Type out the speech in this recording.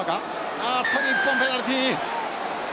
あっと日本ペナルティー。